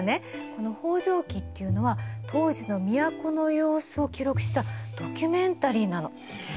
この「方丈記」っていうのは当時の都の様子を記録したドキュメンタリーなの。え！